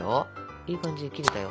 いい感じで切れたよ。